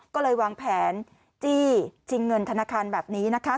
ก็เลยวางแผนจี้ชิงเงินธนาคารแบบนี้นะคะ